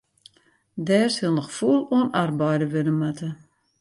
Dêr sil noch fûl oan arbeide wurde moatte.